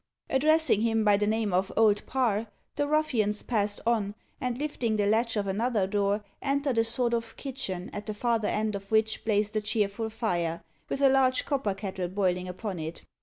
Addressing him by the name of Old Parr, the ruffians passed on, and lifting the latch of another door, entered a sort of kitchen, at the farther end of which blazed a cheerful fire, with a large copper kettle boiling upon it.